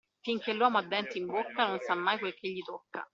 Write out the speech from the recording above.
Finché l'uomo ha denti in bocca, non sa mai quel che gli tocca.